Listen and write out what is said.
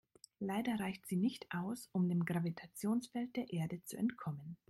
Leider reicht sie nicht aus, um dem Gravitationsfeld der Erde zu entkommen.